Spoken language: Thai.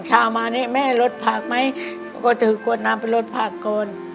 เช้ามาเนี่ยแม่ลดผักไหมเขาก็ถือขวดน้ำไปลดผักก่อน